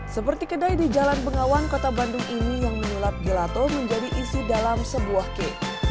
seperti kedai di jalan bengawan kota bandung ini yang menyulap gelato menjadi isi dalam sebuah cake